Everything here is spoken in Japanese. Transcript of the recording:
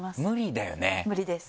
無理です。